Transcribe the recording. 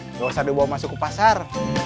nggak usah dibawa masuk ke pasar